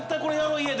家で。